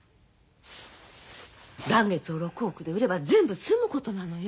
嵐月を６億で売れば全部済むことなのよ。